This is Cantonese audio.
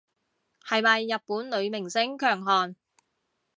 係咪日本女明星強項